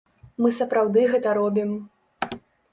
Мы сапраўды гэта робім.